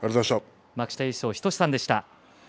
幕下優勝、日翔志さんでした。